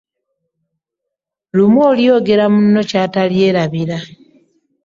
Lumu olyogera munno ky'atalyerabira.